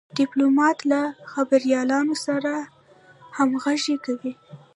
ډيپلومات له خبریالانو سره همږغي کوي.